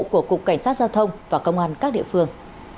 của cục cảnh sát giao thông và công an các địa phương